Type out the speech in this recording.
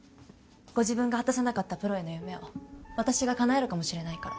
ご自分が果たせなかったプロへの夢を私が叶えるかもしれないから。